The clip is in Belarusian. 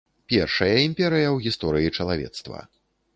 Першая імперыя ў гісторыі чалавецтва.